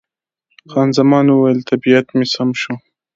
خان زمان وویل، طبیعت مې سم شو.